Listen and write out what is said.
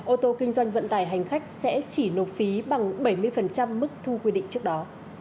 ô tô kinh doanh vận tải hành khách sẽ chỉ nộp phí bằng bảy mươi mức thu quy định trước đó